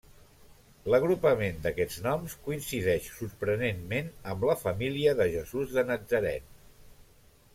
L'agrupament d'aquests noms coincideix sorprenentment amb la família de Jesús de Natzaret.